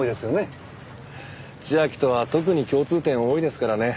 千明とは特に共通点多いですからね。